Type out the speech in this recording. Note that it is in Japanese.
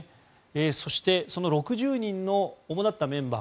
そして、その６０人の主立ったメンバー